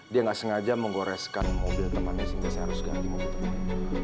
dia nggak sengaja menggoreskan mobil temannya sehingga saya harus ganti mobil temannya